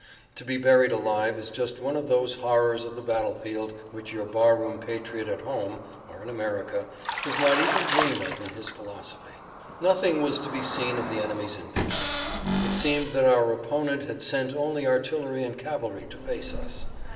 To be buried alive is just one of those horrors of the battlefield which your bar room patriot at home (or in America) does not even dream of in his philosophy. Nothing was to be seen of the enemy's infantry. It seemed that our opponent had sent only artillery and cavalry to face us.